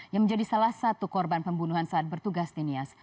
yang menjadi salah satu korban pembunuhan saat bertugas dinias